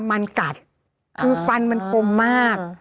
มันกัดคือฟันมันคมมาก